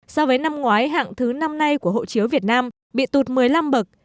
so với năm ngoái hạng thứ năm nay của hộ chiếu việt nam bị tụt một mươi năm bậc